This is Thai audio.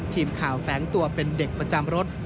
ทีมข่าวแฟ้งตัวเป็นเด็กประจำรถ